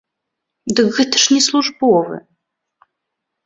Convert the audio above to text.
Дык гэта ж не службовы!